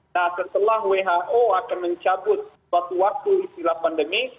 nah setelah who akan mencabut suatu waktu istilah pandemi